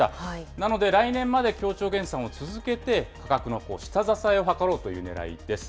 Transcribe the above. なので、来年まで協調減産を続けて、価格の下支えを図ろうというねらいです。